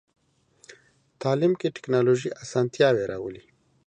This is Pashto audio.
تعلیم کې ټکنالوژي اسانتیاوې راولي.